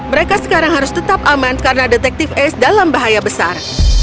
mereka sekarang harus tetap aman karena detektif ace dalam bahaya besar